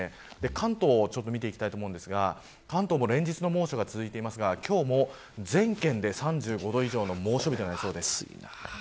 関東、見ていきたいと思いますが関東も連日の猛暑が続いていますが今日も全県で３５度以上の猛暑日になりそうです。